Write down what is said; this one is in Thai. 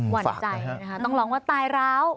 หั่นใจนะคะต้องร้องว่าตายร้าว